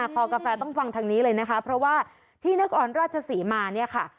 พอกาแฟต้องฟังทางนี้เลยนะคะเพราะว่าที่นักอ่อนราชศรีมา